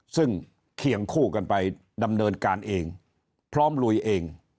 ซึ่งเคียงคู่กันไปดำเนินการเองพร้อมลุยเอง